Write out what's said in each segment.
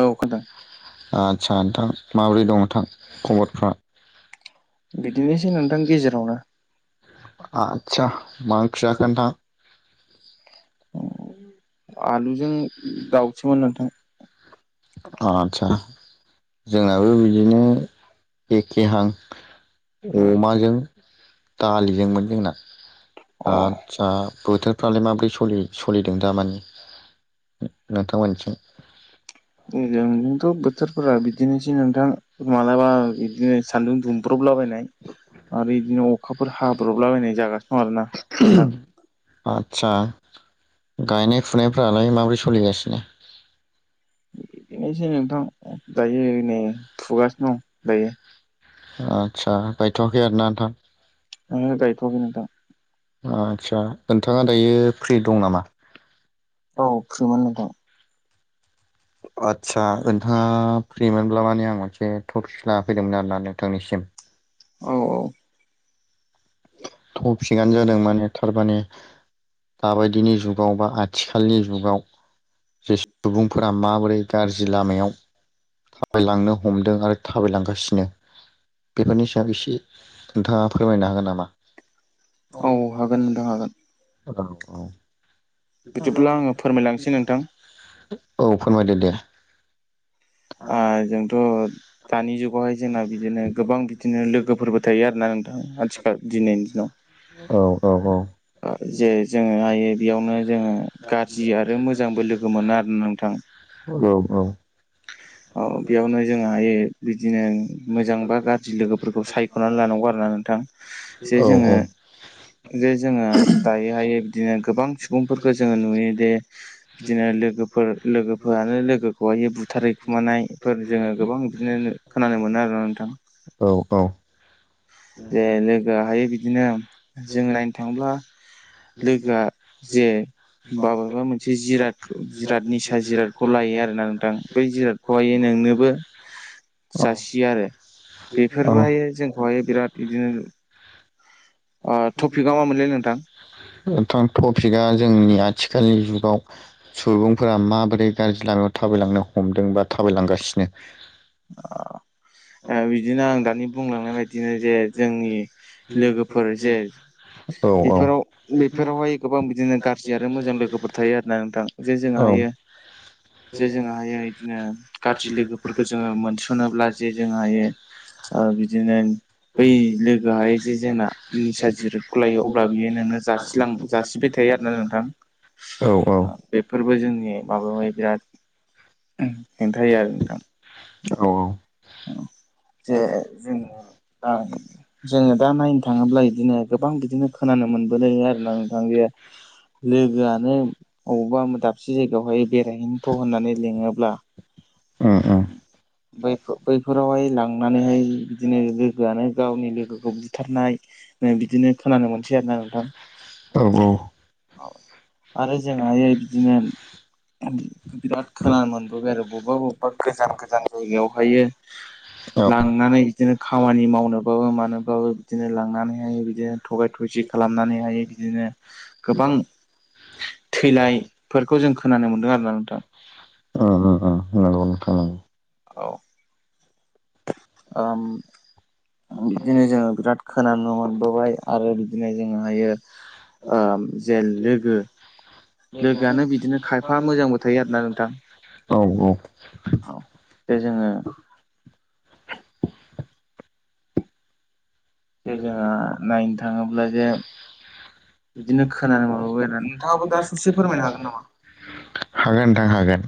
औ आदसा नोंथां माबोरै दं नोंथां खबरफ्रा? बिदिनोसै नोंथां गेजेरावनो। आतसा मा ओंख्रि जाखो नोंथां? आलुजों दावसोमोन नोंथां। आतसा। जोंनाबो बिदिनो एखेहां अमाजों दालिजोंमोन जोंना। अ आतसा बोथोरफ्रालाय माब्रै सलि-सलिदों दामानि नोंथां मोन्निथिं? जोंनिथिंथ' बो थोरफोरा बिदिनोसै नोंथां मालाबा इदिनो सान्दुं दुंब्रबलाबायनाय आरो इदिनो अखाफोर हाब्रबलाबायनाय जागासिनो दं आरो ना नोंथां। आतसा गायनाय-फुनायफ्रालाय माबोरै सोलिगासिनो? इदिनोसै नोंथां दायो नै फुगासिनो दं दायो। आतसा गायथ'वाखै आरो ना नोंथां? ओंहो गायथ'वाखै नोंथां। आस्सा नोंथाङा दायो फ्रि दं नामा? औ फ्रिमोन नोंथां। आतसा नोंथाङा फ्रि मोनब्ला माने आं मोनसे थपिकसो लाना फैदोंमोन आरो ना नोंथांनिसिम। औ औ। थफिकआनो जादों माने थारमाने दाबायदिनि जुगाव बा आथिखालनि जुगाव जे सुबुंफोरा माबोरै गाज्रि लामायाव थाबायलांनो हमदों आरो थाबायलांगासिनो बेफोरनि सायाव इसे नोंथाङा फोरमायनो हागोन नामा? औ हागोन नोंथां हागोन। जागोन औ। बिदिब्ला आङो फोरमायलांसै नोंथां औ फोरमायदो दे। ओ जोंथ' दानि जुगावहाय जोंना बिदिनो गोबां बिदिनो लोगोफोरबो थायो आरो ना नोंथां आथिखाल दिनैनि दिनाव। औ औ औ। ओ जे जोङो आयो बेयावनो जोङो गाज्रि आरो मोजांबो लोगो मोनो आरो नोंथां। औ औ। औ बेयावनो जोंहायो बिदिनो मोजां बा गाज्रि लोगोफोरखौ सायख'नानै लानांगौ आरो ना नोंथां। जे जोङो जे जोङा दायो हायो बिदिनो गोबां सुबुंफोरखौ जोङो नुयो दे बिदिनो लोगोफोर लोगोफोरानो लोगोखौहाय बुथारो। खुमानायफोर जोङो गोबां बिदिनो खोनानो मोनो आरो ना नोंथां। औ जे लोगो हाय बिदिनो जों नायनो थाङोब्ला लोगोआ जे बाबेबा मोनसे जिरादख' जिराद निसा जिरादखौ लायो आरो ना नोंथां। बै जिरादखौहायनो नोंनोबो औ जासियो आरो औ औ बेफोरबोहायो जोंखौहाय बिराद बिदिनो ओ थपिका मा मोनलै नोंथां? नोंथां थपिखा जोंनि आथिखालनि जुगाव सुबुंफोरा माबोरै गाज्रि लामायाव थाबायलांनो हमदों बा थाबायलांगासिनो। औ। ओ बिदिनो आं दानि बुंलांनाय बायदिनो जे जोंनि लोगोफोर जे औ औ। बेफोराव बेफोरावहाय गोबां बिदिनो गाज्रि आरो मोजां लोगोफोर थायो आरो ना नोंथां। जे जोंहा औ हायो जे जोंहाहायो इदिनो गाज्रि लोगोफोरखौ जोङो मोनस'नोब्ला जे जों हायो ओ बिदिनो बै लोगोहाय जे जोंना निसा जिरादखौ लायो अब्ला बेयो नोंनो जा सिलां जासिबाय थायो आरो ना नोंथां। औ औ ओ बेफोरबो जोंनि माबायावहाय बिराद हेंथा होयो आरो नोंथां। औ औ। औ जे जोङो आ जोङो दा नायनो थाङोब्ला इदिनो गोबां बिदिनो खोनानो मोनबोदों आरो ना नोंथां [unintelligible] लोगोआनो अबावबा दाबसे जायगायावहाय बेरायहैनिथ' होननानै लिङोब्ला बैफो-बैफोरावहाय लांनानैहाय बिदिनो लो गोआनो गावनि लोगोखौ बुथारनाय बिदिनो खोनानो मोनसै आरो ना नोंथां। औ आरो जोंहायो बिदिनो बिराद खोनानो मोनबोबाय आरो बबेबा बबेबा गोजान गोजान जायगायाव हायो लांनानै इदिनो खामानि मावनोबाबो मानोबाबो बिदिनो लांनानैहायो बिदिनो थगाय थसि खालामनानै हायो बिदिनो गोबां थैलायफोरखौ जों खोनानो मोनदों आरो ना नोंथां। [unintelligible] नंगौ नोंथां [unintelligible] औ ओम बिदिनो जोङो बिराद खोनानो मोनबोबाय आरो बिदिनो जोङो हायो ओम जेन लोगो लोगोआनो बिदिनो खायफा मोजांबो थायो आरोना नोंथां औ औ औ [unintelligible] जोङो जे जोंहा नायनो थाङोब्ला जे बिदिनो हागोन खोनानो मोनबोबाय आरो नोंथाङाबो दा ससे फोरमायनो हागोन नामा? नोंथां हागोन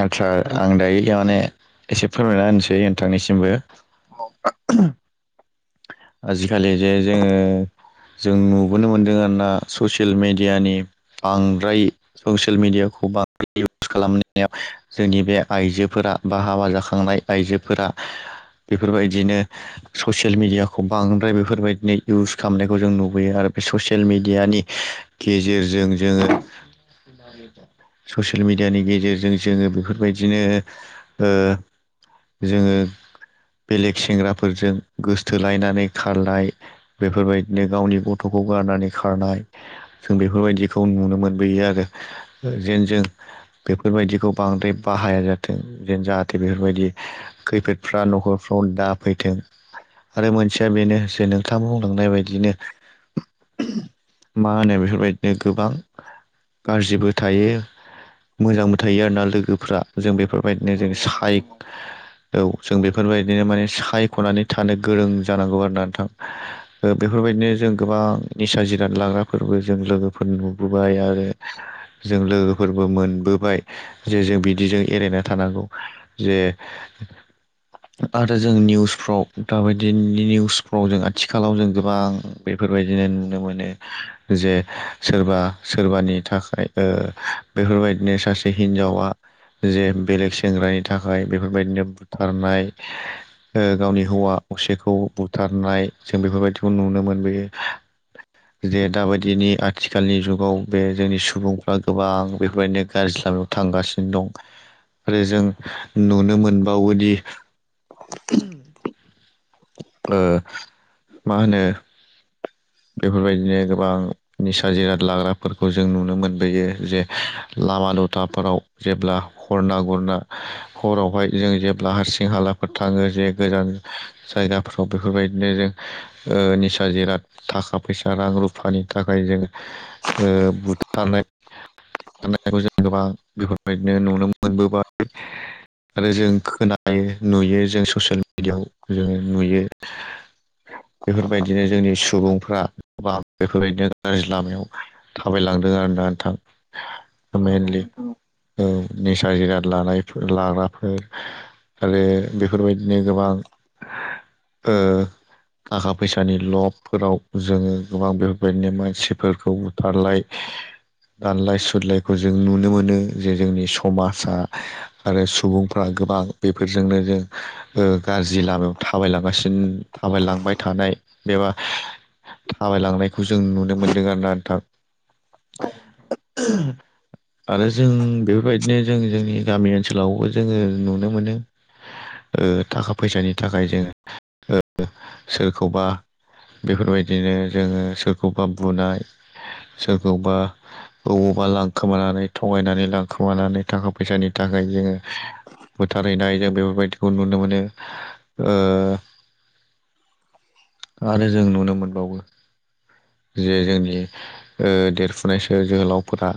आथसा आं दायो माने एसे फोरमायना होनोसै नोंथांनि सिम औ आजिखालि जे जोङो जों नुबोनो मोनदों आरोना ससियेल मेडियानि बांद्राय ससियेल मेडियाखौ बा इउस खालामनायाव जोंनि बे आइजोफोरा बा हाबा जाखांनाय आइजोफोरा बेफोरबायदिनो ससे येल मिडियाखौ बांद्राय बेफोरबायदिनो इउस खालामनायखौ जों नुबोयो आरो बे ससियल मिडियानि गेजेरजों जोङो ससियेल मेडियानि गेजेरजों जोङो बेफोरबायदिनो ओ जोङो बेलेग सेंग्राफोरजों गोसोथोलायनानै खारलाय बेफोरबायदिनो गावनि गथखौ गारनानै खारनाय जों बेफोरबायदिखौ नुनो मोनबोयो आरो जेन जों बेफोरबायदिखौ बांद्राय बाहाया जाथों जेन जाहाथे बेफोरबायदि खैफोदफ्रा नखरफ्राव दा फैथों आरो मोनसेया बेनो जे नोंथां बुंलांनाय बायदिनो मा होनो बेफोरबायदिनो गोबां गाज्रिबो थायो मोजांबो थायो आरोना लोगोफ्रा जों बेफोरबायदिनो जों साइख औ जों बेफोरबायदिनो माने सायखनानै माने गोरों जानांगौ आरो ना नोंथां ओ बेफोरबायदिनो जों गोबां निसा जिराद लाग्राफोरबो जों लोगोफोर नुबोबाय आरो जों लोगोफोरबो मोनबोबाय जे जों बिदि बिजों एरायना थानांगौ जे [inaudible] आरो जों निउसफ्राव माबायदि निउसफ्राव जों आथिखालाव जों गोबां बेफोरबायदिनो नुनो मोनो जे सोरबा सोरबानि था खाय ओ बेफोरबायदिनो सासे हिन्जावा जे बेलेग सेंग्रानि थाखाय बेफोरबायदिनो बुथारनाय ओ गावनि हौवा असेखौ बुथारनाय जों बेफोरबायदिखौ नुनो मोनबोयो [inaudible] जे दाबायदिनि आथिखालनि जुगाव बे जोंनि सुबुंफ्रा गोबां बेफोरबायदिनो गाज्रि लामायाव थां थांगासिनो दं आरो जों नुनो मोनबावोदि [inaudible] ओ मा होनो बेफोरबायदिनो गोबां निसा जिराद लाग्राफोरखौ जों नुनो मोनबोयो जे लामा दथाफोराव जेब्ला हरना गुरना हरावहाय जों जेब्ला हारसिं हालाफोर थाङो जे गोजान जायगाफ्राव बेफोरबायदिनो जों ओ निसा जिराद थाखा फैसा रां रुफानि थाखाय जोङो ओ बुथारनाय खौ जों गोबां बेफोरबायदिनो नुनो मोनबोबाय आरो जों खोनायो नुयो जों ससियेल मेडिया याव जों नुयो बेफोरबायदिनो जोंनि सु बुंफ्रा बेफोरबायदिनो गाज्रि लामायाव थाबायलांदों आरो ना नोंथां मेनलि [unintelligible] औ निसा जिराद लानायफोर लाग्राफोर आरो बेफोरबायदिनो गोबां [inaudible] ओ थाखा फैसानि लब फोराव जोङो गोबां बेफोरबायदिनो मानसिफोरखौ बुथारलाय दानलाय सुलायखौ जों नुनो मोनो जे जोंनि समाजा आरो सुबुंफ्रा गोबां बेफोरजोंनो जों ओ गाज्रि लामायाव थाबायलांगासिनो थाबायलांबाय थानाय एबा थाबायलांनायखौ जों नुनो मोन्दों आरोना नोंथां। आरो जों बेफोरबायद बिदिनो जों जोंनि गामि ओनसोलावबो जोङो नुनो मोनो। ओ थाखा फैसानि थाखाय जोङो सोरखौबा बेफोरबायदिनो जोङो सोरखौबा बुनाय सोरखौबा बबावबा लांखोमानानै थगायनानै लांखोमानानै थाखा फैसानि थाखाय थाखाय जोङो बुथारैनाय जों बेफोरबायदिखौ नुनो मोनो ओ [unintelligible] आरो जों नुनो मोनबावो जे जोंनि देरफुनायसो जोहोलावफोरा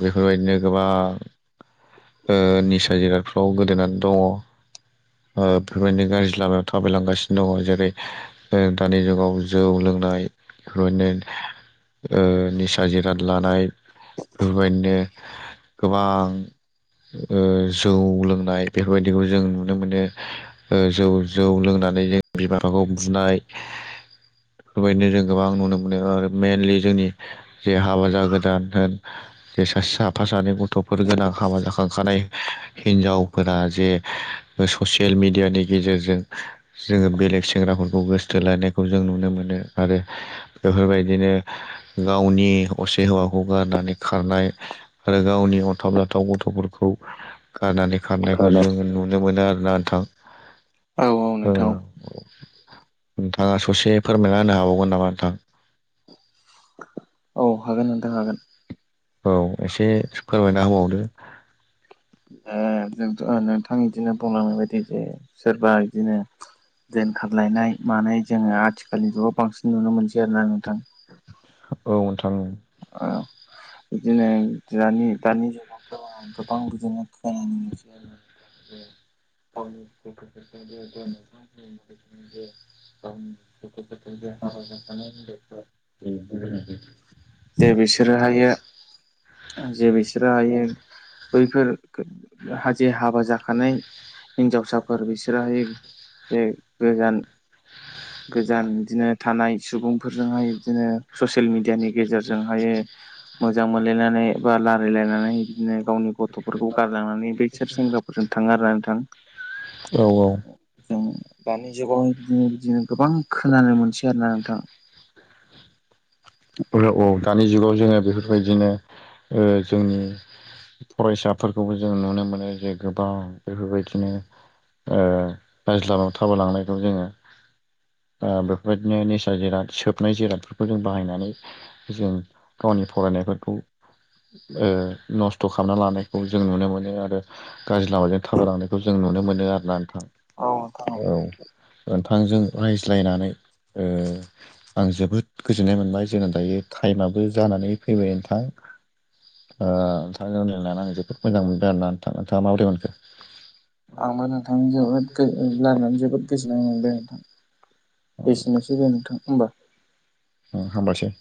बेफोरबायदिनो गोबां निसा जिरादफ्राव गोदोनानै दङ। बेफोरबायदि गाज्रि लामायाव थाबायलांगासिनो दङ। जेरै दानि जुगाव जौ लोंनाय बेफोरबायदिनो निसा जिराद लानाय। बेफोरबायदिनो गोबां ओ जौ लोंनाय बेफोरबायदिखौ जों नुनो मोनो। जौ जौ लोंनानै जों बिमाखौ बुनाय बेफोरबायदिनो जों गोबां नुनो मोनो ओ मेनलि जोंनि जे हाबा जागोदान होन जे साफा सानै गथफोर गोनां हाबा जाखांखानाय हिनजावफोरा जे ससियेल मिेडियानि गेजेरजों जोङो बेलेग सेंग्राफोरखौ गोसो थोलायानायखौ जों नुनो मोनो आरो बेफोरबायदिनो गावनि असे हौवाखौ गारनानै खारनाय आरो गावनि अनथाव बाथाव गथफोरखौ गारनानै खारनायखौ जों औ नुनो मोनो आरोना नोंथां। ओ [unintelligible] नोंथाङा ससे फोरमायना होनो हाबावगोन नामा नोंथां? औ हागोन नोंथां हागोन। औ एसे फोरमायना होबावदो। जोंथ नोंथां इदिनो बुंलांनाय बादि जे सोरबा इदिनो दोनखारलायनाय मानाय जोङो आथिखालनि जुगाव बांसिन नुनो मोनसै आरोना नोंथां। औ नोंथां। औ बिदिनो दानि दानि जुगावथ गोबां बिदिनो खोन मोनसै आरो। [unintelligible] [unintelligible] [unintelligible] गथ गथाय जे हाबा जाखानाय हिनजाव दे बिसोरोहायो जे बिसोरो हायो बैफोर हा बिसोरहाय बे गोजान [unintelligible] गोजान बिदिनो थानाय सुबुंफोरजोंहाय बिदिनो ससियेल मिडियानि गेजेरजोंहायो मोजां मोनलायनानै बा रायलायलायनानै बिदिनो गावनि गथफोरखौ गारलांनानै बसोर सेंग्राफोरजों थ थांगारा नोंथां औ औ जों दानि जुगावहाय बिदिनो बिदिनो गोबां खोनानो मोनसै आरोोना नोंथां औ दानि जुगाव जोङो बेफोरबायदिनो जोंनि फरायसाफोरखौबो जों नुनो मोनो जे गोबां बेफोरबायदिनो बायज्ल थाबायलांनायखौ जोङो बेफोरबायदिनो नेचारेल जिराद सोबनाय जिरादफोरखौ जों बाहायनानै जों गावनि फरायनायफोरखौ। ओ नस्थ' खालामना लानायखौ जों नुनो मोनो आरो गाज्रि लामाजों थां लानायखौ जों- नुनो मोनो आरो ना नोथां। औ नोंथां औ। ओ नथांजों रायज्लायनानै- ओ आं जोबोद गोजोननाय मोनबाय जोङो दायो थाइमाबो जानानै फैबाय नोंथां। [inaudible] ओ नोंथांजों लानानै जोबोद मोजां मोनबाय आरो ना नोंथां नोंथाङा माबोरै मोनखो? आंबो नोंथां जोबोद गोजो लायरायनानै जोबोद गोजोननाय मोनबाय आरो- एसेनोसै नोंथां ओमबा। हामबायसै।